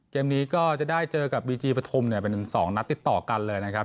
เกมนี้ก็จะได้เจอกับบีจีปฐุมเนี่ยเป็น๒นัดติดต่อกันเลยนะครับ